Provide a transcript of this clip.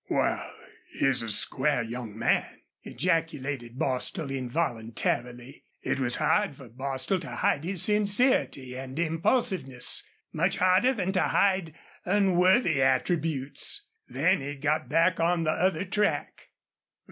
"Wal, he's a square young man!" ejaculated Bostil, involuntarily. It was hard for Bostil to hide his sincerity and impulsiveness; much harder than to hide unworthy attributes. Then he got back on the other track.